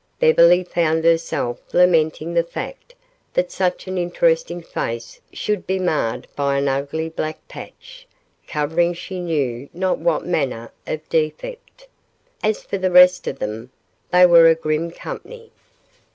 Beverly found herself lamenting the fact that such an interesting face should be marred by an ugly black patch, covering she knew not what manner of defect. As for the rest of them, they were a grim company.